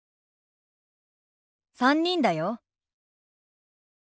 ３人だよ。